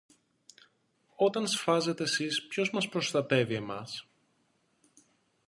"Όταν σφάζετε σεις, ποιος μας προστατεύει εμάς;"